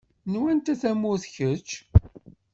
N wanta tamurt kečč?